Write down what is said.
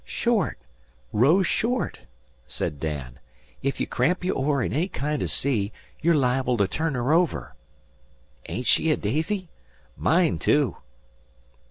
"Short! Row short!" said Dan. "Ef you cramp your oar in any kind o' sea you're liable to turn her over. Ain't she a daisy? Mine, too."